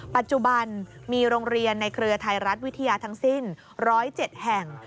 ปัจจุบันมีโรงเรียนในเครือไทยรัฐวิทยาทั้งสิ้น๑๐๗แห่ง